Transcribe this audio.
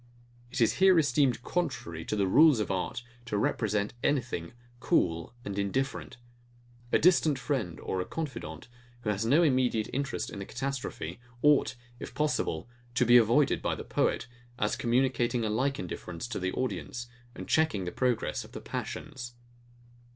It is here esteemed contrary to the rules of art to represent anything cool and indifferent. A distant friend, or a confident, who has no immediate interest in the catastrophe, ought, if possible, to be avoided by the poet; as communicating a like indifference to the audience, and checking the progress of the passions.